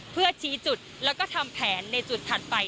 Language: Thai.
เพื่อชี้จุดแล้วก็ทำแผนในจุดถัดไป